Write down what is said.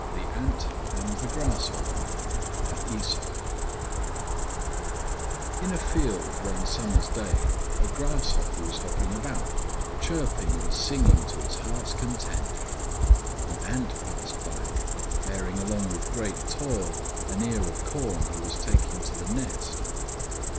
THE ANT AND THE GRASSHOPPER In a field one summer's day a Grasshopper was hopping about, chirping and singing to its heart's content. An Ant passed by, bearing along with great toil an ear of corn he was taking to the nest.